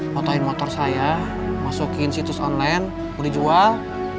potohin motor saya masukin situs online boleh jual